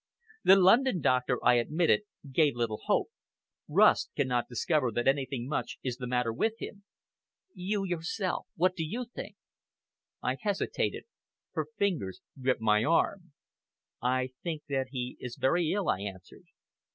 "The London doctor," I admitted, "gave little hope. Rust cannot discover that anything much is the matter with him." "You yourself what do you think?" I hesitated. Her fingers gripped my arm. "I think that he is very ill," I answered.